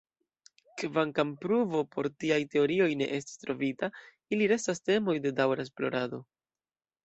Kvankam pruvo por tiaj teorioj ne estis trovita, ili restas temoj de daŭra esplorado.